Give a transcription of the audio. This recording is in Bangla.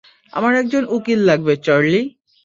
আমার একজন উকিল লাগবে, চার্লি।